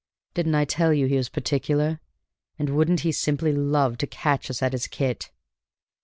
Didn't I tell you he was particular? And wouldn't he simply love to catch us at his kit?"